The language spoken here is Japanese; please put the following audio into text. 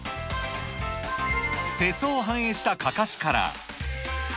世相を反映したかかしから。